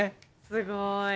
すごい。